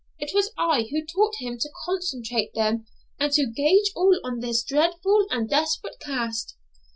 It was I who taught him to concentrate them and to gage all on this dreadful and desperate cast.